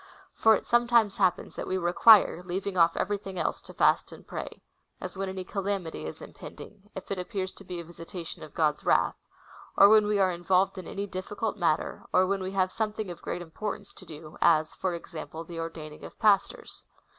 ^ For it sometimes happens, that we require (leaving off everything else) to fast and pra?/; as when any calamity is impending, if it appears to be a visi tation of God's wrath ; or when we are involved in any diffi cult matter, or when we have something of great importance to do, as, for example, the ordaining of jjastors.